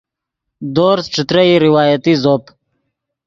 دورز ݯترئی روایتی زوپ